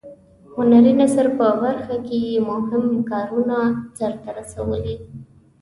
هنري نثر په برخه کې یې مهم کارونه سرته رسولي.